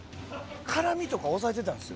辛味とか抑えてたんですよ。